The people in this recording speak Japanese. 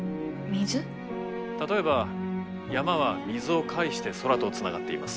例えば山は水を介して空とつながっています。